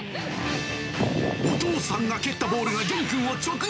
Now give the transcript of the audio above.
お父さんが蹴ったボールが元くんを直撃。